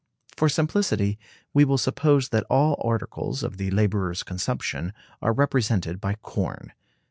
For simplicity we will suppose that all articles of the laborer's consumption are represented by corn.